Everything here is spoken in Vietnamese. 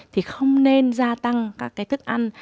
thì không nên gia tăng các cái thức ăn